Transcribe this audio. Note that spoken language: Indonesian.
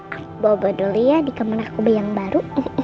aku bawa bawa dulu ya di kamar aku yang baru